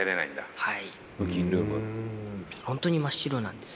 はい。